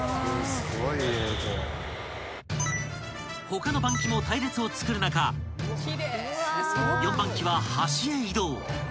［他の番機も隊列を作る中４番機は端へ移動］